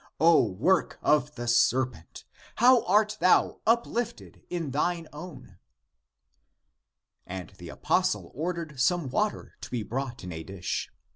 O work of the serpent, how art thou uplifted in thine own!" And the apostle ordered some water to be brought in a dish.